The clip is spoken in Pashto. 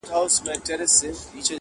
o ترکاڼي د بيزو کار نه دئ!